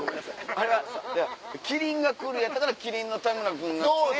あれは『麒麟がくる』やったから麒麟の田村君が来て。